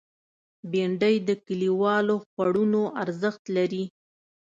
بېنډۍ د کلیوالو خوړونو ارزښت لري